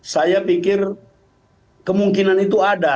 saya pikir kemungkinan itu ada